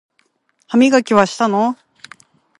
歯磨きはしたの？